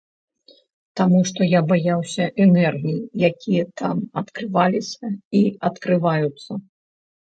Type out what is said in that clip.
Таму што я баяўся энергій, якія там адкрываліся і адкрываюцца.